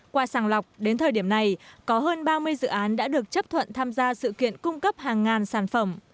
qua sàng lọc đến thời điểm này có hơn ba mươi dự án đã được chấp thuận tham gia sự kiện cung cấp hàng ngàn sản phẩm